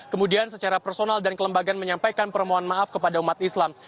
kemudian secara personal dan kelembagaan menyampaikan permohonan maaf kepada umat islam